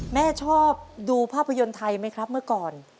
แม่ชอบดูภาพยนตร์ไทยไหมครับเมื่อก่อน